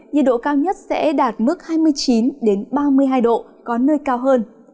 nhiệt độ cao nhất sẽ đạt mức hai mươi chín ba mươi hai độ có nơi cao hơn